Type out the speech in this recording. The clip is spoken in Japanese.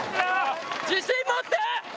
自信持って！